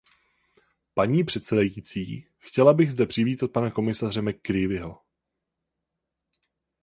Paní předsedající, chtěla bych zde přivítat pana komisaře McCreevyho.